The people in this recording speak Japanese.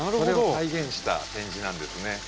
それを再現した展示なんですね。